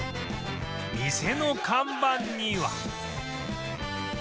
店の看板には